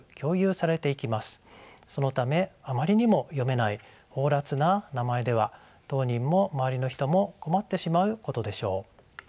そのためあまりにも読めない放らつな名前では当人も周りの人も困ってしまうことでしょう。